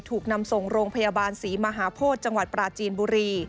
ถูกนำส่งโรงพยาบาลศรีมหาโพธิจังหวัดปราจีนบุรี